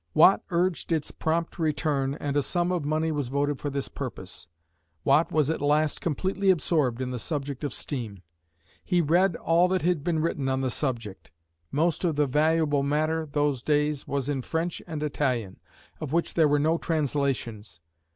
Watt urged its prompt return and a sum of money was voted for this purpose. Watt was at last completely absorbed in the subject of steam. He read all that had been written on the subject. Most of the valuable matter those days was in French and Italian, of which there were no translations.